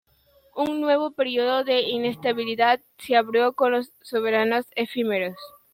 Un nuevo periodo de inestabilidad se abrió con los soberanos efímeros.